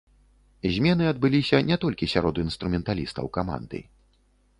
Змены адбыліся не толькі сярод інструменталістаў каманды.